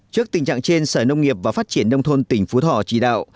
trước tình trạng trên sở nông nghiệp và phát triển nông thôn tỉnh phú thọ chỉ đạo